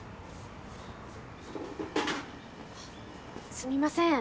すみません。